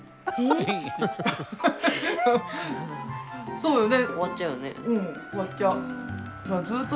そうよね。